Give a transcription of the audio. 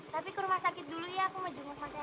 tapi ke rumah sakit dulu ya aku mau jemput maternya